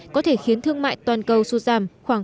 có thể khiến thương mại toàn cầu xuất giảm khoảng năm